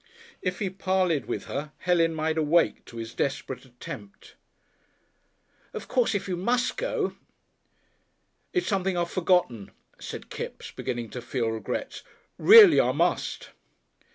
If he parleyed with her Helen might awake to his desperate attempt. "Of course if you must go." "It's something I've forgotten," said Kipps, beginning to feel regrets. "Reely I must."